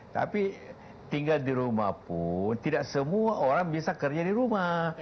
tapi tinggal di rumah pun tidak semua orang bisa kerja di rumah